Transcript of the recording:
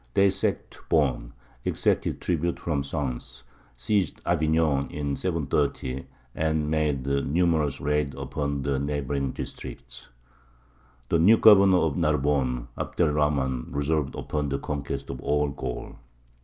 They sacked Beaune, exacted tribute from Sens, seized Avignon in 730, and made numerous raids upon the neighbouring districts. The new governor of Narbonne, Abd er Rahmān, resolved upon the conquest of all Gaul.